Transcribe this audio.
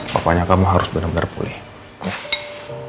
pokoknya kamu harus benar benar pulih